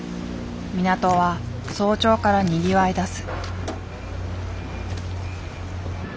港は早朝からにぎわいだす。